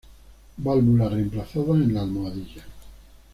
Válvula reemplazada en la almohadilla.